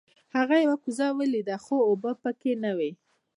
هغه یوه کوزه ولیده خو اوبه پکې نه وې.